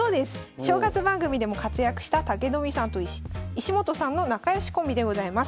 正月番組でも活躍した武富さんと石本さんの仲良しコンビでございます。